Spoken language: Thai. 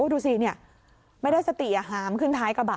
ดูสิไม่ได้สติหามขึ้นท้ายกระบะ